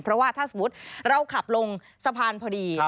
เพราะว่าถ้าสมมุติเราขับลงสะพานพอดี